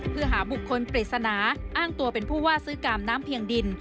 เพื่อหาบุคคลปริศนาอ้างตัวเป็นผู้ว่าซื้อกามน้ำเพียงดิน